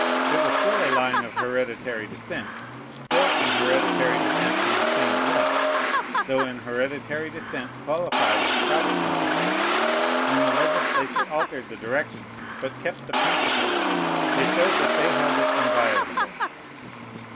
It was still a line of hereditary descent; still an hereditary descent in the same blood, though an hereditary descent qualified with Protestantism. When the legislature altered the direction, but kept the principle, they showed that they held it inviolable.